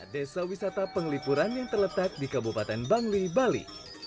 desa wisata penglipuran yang terletak di kabupaten bangli bali